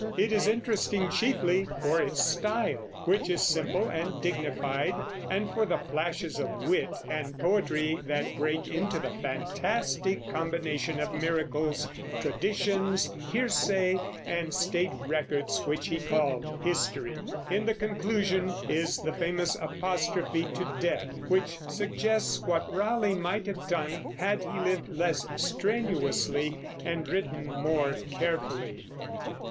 It is interesting chiefly for its style, which is simple and dignified, and for the flashes of wit and poetry that break into the fantastic combination of miracles, traditions, hearsay, and state records which he called history. In the conclusion is the famous apostrophe to Death, which suggests what Raleigh might have done had he lived less strenuously and written more carefully.